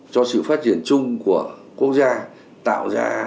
cho sự phát triển chung của quốc gia tạo ra